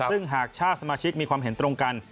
ซึ่งหากชาติสมาชิกมีความเห็นตรงกัน